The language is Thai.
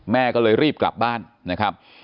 แม่ก็เลยรีบกลับบ้านนะครับ